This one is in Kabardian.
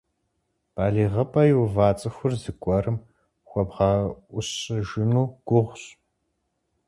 БалигъыпӀэ иува цӀыхур зыгуэрым хуэбгъэӀущыжыну гугъущ.